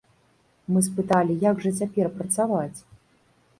Мы спыталі, як жа цяпер працаваць?